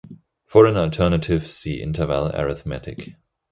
For an alternative see interval arithmetic.